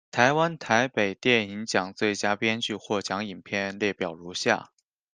台湾台北电影奖最佳编剧获奖影片列表如下。